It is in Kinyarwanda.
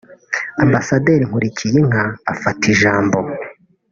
Ambasaderi Nkulikiyinka afata ijambo